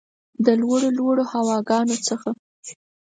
د لوړو ، لوړو هواګانو څخه